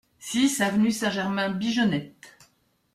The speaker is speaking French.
six avenue Saint-Germain Bigeonnette